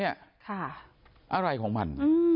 อะไรของมัน